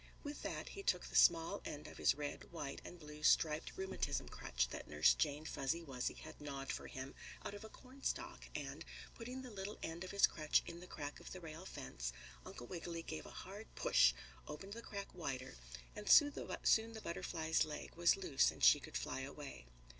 With that he took the small end of his red, white and blue striped rheumatism crutch that Nurse Jane Fuzzy Wuzzy had gnawed for him out of a cornstalk and putting the little end of his crutch in the crack of the rail fence, Uncle Wiggily gave a hard push, opened the crack wider, and soon the butterfly's leg was loose and she could fly away.